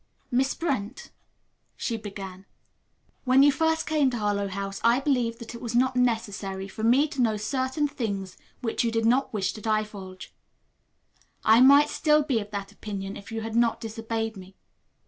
"Miss Brent," she began, "when first you came to Harlowe House I believed that it was not necessary for me to know certain things which you did not wish to divulge. I might still be of that opinion if you had not disobeyed me.